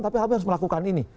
tapi harus melakukan ini